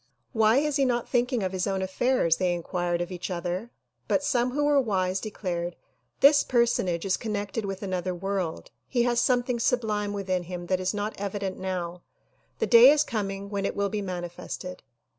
'' Why is he not thinking of his own affairs?" they inquired of each other; but some who were wise declared "This personage is connected with another world; he has something sublime within him that is not evident now; the day is coming when it will be manifested."